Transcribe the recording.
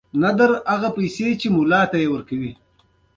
دا یوازې په اوږده متن کې لیندیو دي.